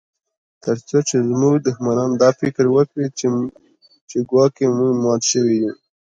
ترڅو زموږ دښمنان دا فکر وکړي چې ګواکي موږ مات شوي یو